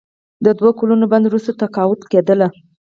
د دوه کلونو بند وروسته تقاعد کیدل.